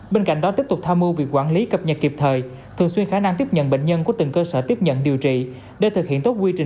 bên cạnh đó tiếp tục tham mưu việc quản lý cập nhật kịp thời thường xuyên khả năng tiếp nhận bệnh nhân của từng cơ sở tiếp nhận điều trị